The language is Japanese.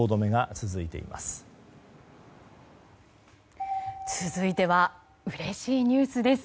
続いてはうれしいニュースです。